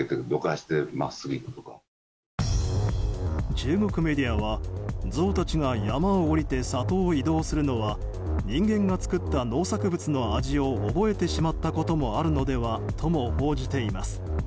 中国メディアはゾウたちが山を下りて里を移動するのは人間が作った農作物の味を覚えてしまったこともあるのではとも報じています。